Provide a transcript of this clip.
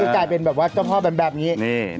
กลายเป็นเจ้าพ่อแบบนี้